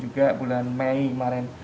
juga bulan mei kemarin